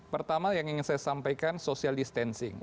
pertama yang ingin saya sampaikan social distancing